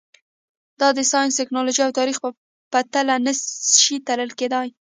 دا د ساینس، ټکنالوژۍ او تاریخ په تله نه شي تلل کېدای.